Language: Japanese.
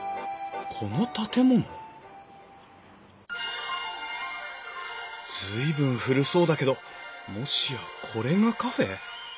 この建物随分古そうだけどもしやこれがカフェ？